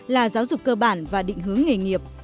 là giáo dục cơ bản và định hướng nghề nghiệp